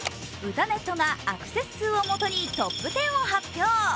歌ネットがアクセス数を基にトップ１０を発表。